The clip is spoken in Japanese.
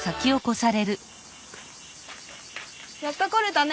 やっと来れたね？